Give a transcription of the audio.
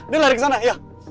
dia lari ke sana ya